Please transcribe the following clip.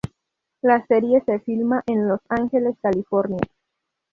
La serie se filma en Los Angeles, California.